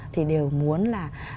thì đều muốn là